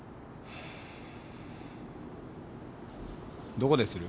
どこでする？